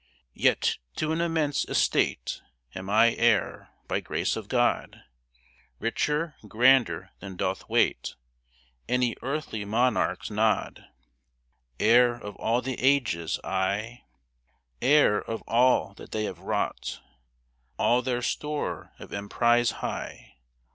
Yet to an immense estate Am I heir, by grace of God, — Richer, grander than doth wait Any earthly monarch's nod. Heir of all the Ages, I — Heir of all that they have wrought, All their store of emprise high.